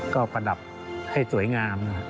ก็ประดับให้สวยงาม